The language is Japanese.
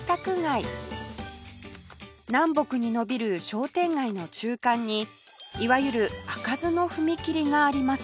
南北に延びる商店街の中間にいわゆる開かずの踏切があります